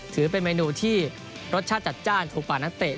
ถือเป็นเมนูที่รสชาติจัดจ้านถูกปากนักเตะ